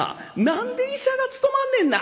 何で医者が務まんねんな」。